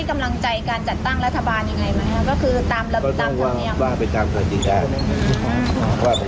เขาไปคุยกันไม่มีดิวลับใช่ไหมฮะ